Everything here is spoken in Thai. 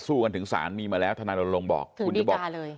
สู้กันถึงศาลมีมาแล้วธนาโรงบอกถึงดีกาเลย